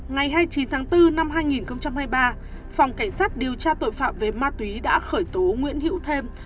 ngày hai mươi chín tháng bốn năm hai nghìn hai mươi ba phòng cảnh sát điều tra tội phạm về ma túy đã khởi tố nguyễn hữu thêm